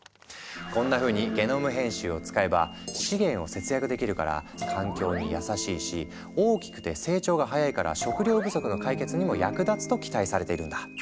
こんなふうにゲノム編集を使えば資源を節約できるから環境に優しいし大きくて成長が早いから食糧不足の解決にも役立つと期待されているんだ。